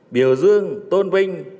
biểu dương tôn vinh